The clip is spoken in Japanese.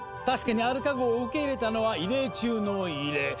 確かにアルカ号を受け入れたのは異例中の異例。